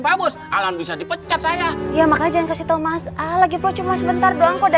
pabos alam bisa dipecat saya ya makanya kasih tahu masalah gitu cuma sebentar doang kode